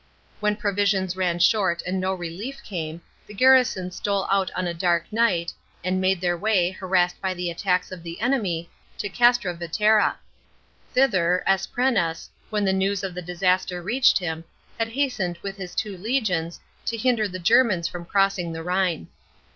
When provisions ran short and no relief came, the garrison stole out on a dark night, and made their way, harassed by the attacks of the enemy, to Castra Vetera. Thither Asprenas, when the news of the disaster reached him, had hastened with his two legions, to hinder the Germans from crossing the Rhine.